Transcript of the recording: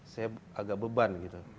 saya agak beban gitu